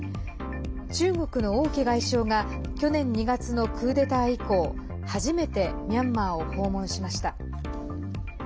中国の王毅外相が去年２月のクーデター以降初めてミャンマーを訪問しました。